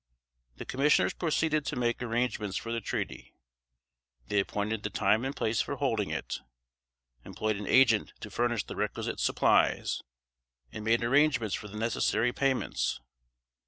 The commissioners proceeded to make arrangements for the treaty. They appointed the time and place for holding it; employed an agent to furnish the requisite supplies, and made arrangements for the necessary payments.